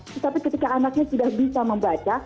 tetapi ketika anaknya sudah bisa membaca